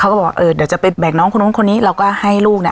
เขาก็บอกเออเดี๋ยวจะไปแบ่งน้องคนน้องคนนี้เราก็ให้ลูกเนี้ย